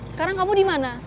sekarang kamu dimana